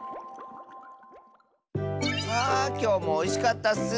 あきょうもおいしかったッス。